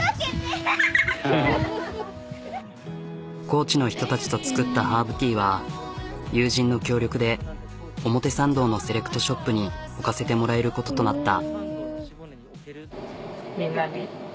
高知の人たちと作ったハーブティーは友人の協力で表参道のセレクトショップに置かせてもらえることとなった。